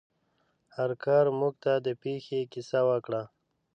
هارکر موږ ته د پیښې کیسه وکړه.